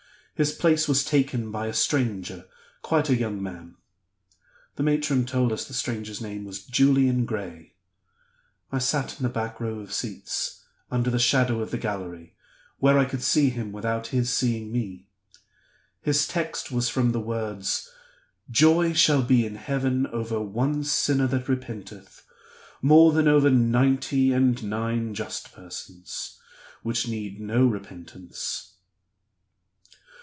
His place was taken by a stranger, quite a young man. The matron told us the stranger's name was Julian Gray. I sat in the back row of seats, under the shadow of the gallery, where I could see him without his seeing me. His text was from the words, 'Joy shall be in heaven over one sinner that repenteth, more than over ninety and nine just persons, which need no repentance.